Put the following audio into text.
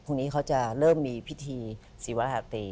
พรุ่งนี้เขาจะเริ่มมีพิธีศิวหัตเต